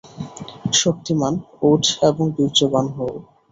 শক্তিমান্, ওঠ এবং বীর্যবান হও।